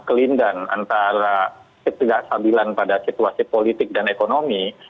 kelindahan antara ketidakstabilan pada situasi politik dan ekonomi